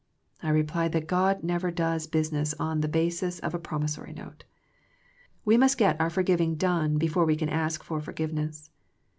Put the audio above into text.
I replied that God never does business on the basis of a promissory note. We must get our forgiv ing done before we can ask for forgiveness.